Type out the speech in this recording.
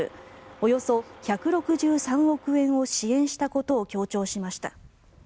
およそ１６３億円を支援したことを強調しました。